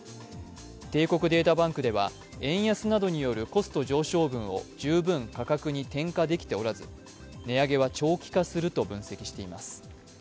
帝国データバンクでは、円安などによるコスト上昇分を十分価格に転嫁できておらず値上げは長期化すると分析しています。